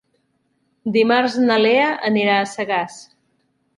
Dimarts na Lea anirà a Sagàs.